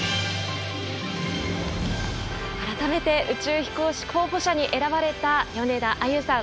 改めて宇宙飛行士候補者に選ばれた米田あゆさん